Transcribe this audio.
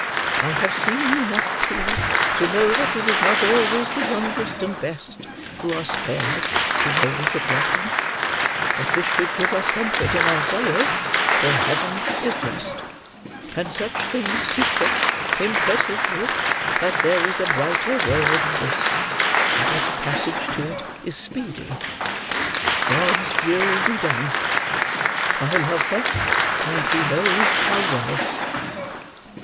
I have seen enough, too, to know that it is not always the youngest and best who are spared to those that love them; but this should give us comfort in our sorrow; for Heaven is just; and such things teach us, impressively, that there is a brighter world than this; and that the passage to it is speedy. God's will be done! I love her; and He knows how well!"